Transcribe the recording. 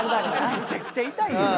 めちゃくちゃ痛いやん。